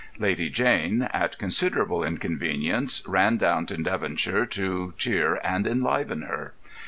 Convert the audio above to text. Lady Jane, at considerable inconvenience, ran down to Devonshire to cheer and enliven her.